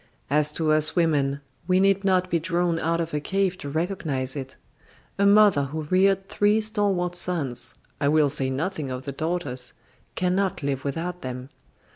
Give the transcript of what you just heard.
As to us women, we need not be drawn out of a cave to recognise it. A mother who reared three stalwart sons I will say nothing of the daughters can not live without them.